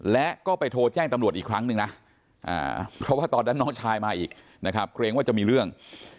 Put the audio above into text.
และก็ไปโทรแจ้งตำรวจอีกครั้งหนึ่งนะเพราะว่าตอนนั้นน้องชายมาอีกนะครับเกรงว่าจะมีเรื่อง